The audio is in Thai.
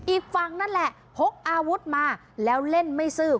อีกฝั่งนั่นแหละพกอาวุธมาแล้วเล่นไม่ซื้อ